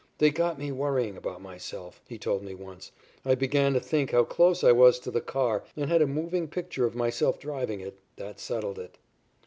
"They got me worrying about myself," he told me once. "I began to think how close I was to the car and had a moving picture of myself driving it. That settled it."